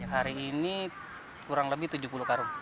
hari ini kurang lebih tujuh puluh karung